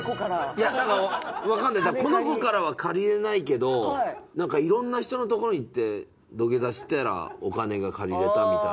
いやわかんないこの子からは借りられないけどなんか色んな人の所に行って土下座したらお金が借りられたみたいな。